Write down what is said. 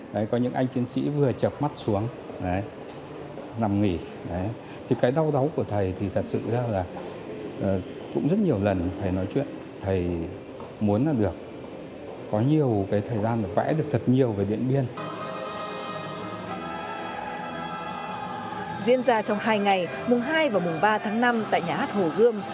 diễn ra trong hai ngày mùng hai và mùng ba tháng năm tại nhà hát hồ gươm